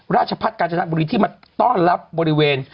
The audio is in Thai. ราชพัฒน์กาญจนบุรีที่มาต้อนรับบริเวณ